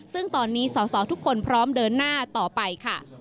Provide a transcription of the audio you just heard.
ซึ่งตอนนี้สอสอทุกคนพร้อมเดินหน้าต่อไปค่ะ